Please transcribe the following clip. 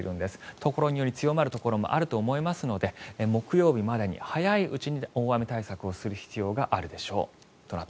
ところにより強まるところもあると思いますので、木曜日までに早いうちに大雨対策をする必要があるでしょう。